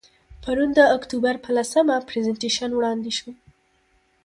پرون د اکتوبر په لسمه، پرزنټیشن وړاندې شو.